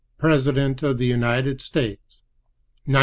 President of the United States 1901.